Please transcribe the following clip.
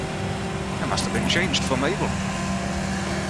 I must have been changed for Mabel!